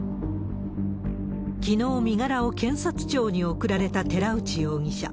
きのう身柄を検察庁に送られた寺内容疑者。